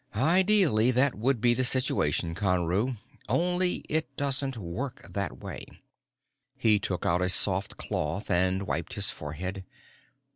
"Ideally, that would be the situation, Conru. Only it doesn't work that way." He took out a soft cloth and wiped his forehead.